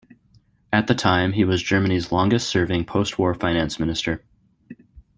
At the time, he was Germany's longest-serving postwar Finance Minister.